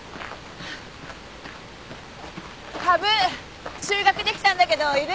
カブ収穫できたんだけどいる？